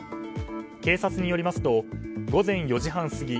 警察によりますと午前４時半過ぎ